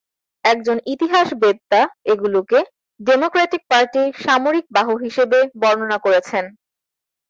একজন ইতিহাসবেত্তা এগুলোকে ডেমোক্রেটিক পার্টির সামরিক বাহু হিসেবে বর্ণনা করেছেন।